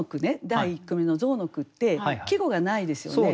第１句目の象の句って季語がないですよね。